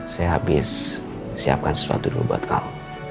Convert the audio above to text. saya habis siapkan sesuatu dulu buat kamu